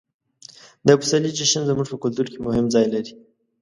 د پسرلي جشن زموږ په کلتور کې مهم ځای لري.